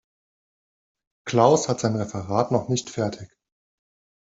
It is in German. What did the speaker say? Klaus hat sein Referat noch nicht fertig.